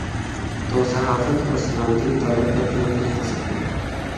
تو صحافت اور سلامتی کے تعلق پر کیوں نہیں ہو سکتی؟